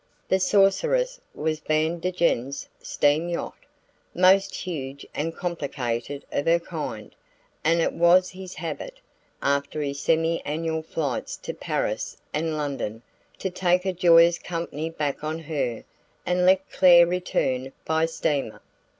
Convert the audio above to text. The Sorceress was Van Degen's steam yacht, most huge and complicated of her kind: it was his habit, after his semi annual flights to Paris and London, to take a joyous company back on her and let Clare return by steamer.